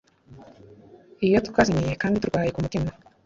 Iyo twazimiye kandi turwaye kumutima